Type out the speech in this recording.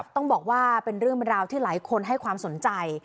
ต้องบอกว่าเป็นเรื่องเป็นราวที่หลายคนให้ความสนใจ